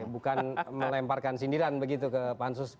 bukan melemparkan sindiran begitu ke pansus